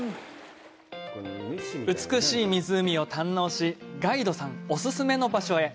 美しい湖を堪能しガイドさんお勧めの場所へ！